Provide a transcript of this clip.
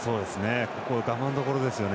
我慢どころですよね